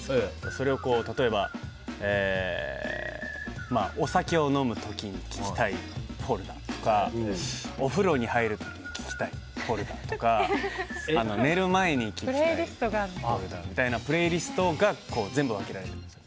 それを例えばお酒を飲む時に聴きたいフォルダとかお風呂に入る時に聴きたいフォルダとか寝る前に聴きたいみたいなプレイリストが全部分けられてます。